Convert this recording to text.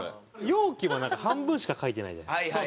容器もなんか半分しか描いてないじゃないですか。